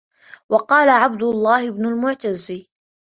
وَقَالَ عَبْدُ اللَّهِ بْنُ الْمُعْتَزِّ